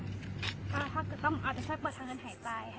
เราที่คุกจะเปิดทางแน่นแผ่น